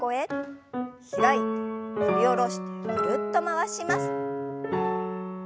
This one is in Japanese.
開いて振り下ろしてぐるっと回します。